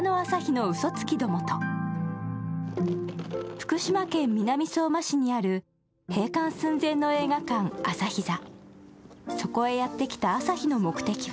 福島県南相馬市にある閉館寸前の映画館、朝日座。